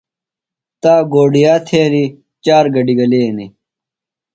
تا گوڈِیا تھینیۡ۔ چار گڈیۡ گلینیۡ۔